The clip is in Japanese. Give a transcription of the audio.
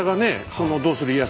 その「どうする家康」